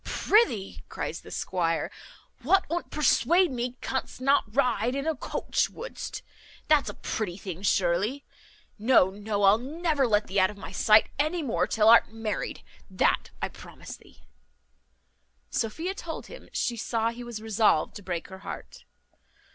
"Prithee," cries the squire, "wout unt persuade me canst not ride in a coach, wouldst? That's a pretty thing surely! No, no, I'll never let thee out of my sight any more till art married, that I promise thee." Sophia told him, she saw he was resolved to break her heart.